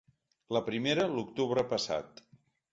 La primera, l’octubre passat.